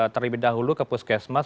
terlebih dahulu ke puskesmas